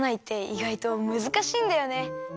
いがいとむずかしいんだよね！